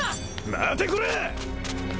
待てこら！